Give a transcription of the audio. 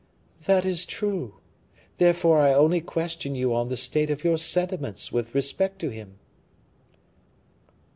"That is true; therefore I only question you on the state of your sentiments with respect to him."